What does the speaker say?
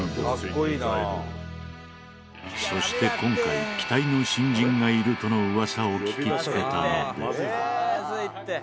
そして今回期待の新人がいるとの噂を聞きつけたので。